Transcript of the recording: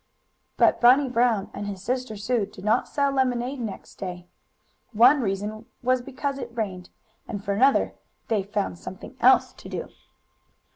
But Bunny Brown and his sister Sue did not sell lemonade next day. One reason was because it rained, and, for another, they found something else to do.